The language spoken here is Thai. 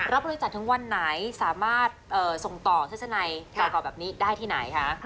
รับบริจาคถึงวันไหนสามารถส่งต่อทัศนัยบอกแบบนี้ได้ที่ไหนคะ